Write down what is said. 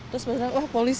terus beritahu wah polisi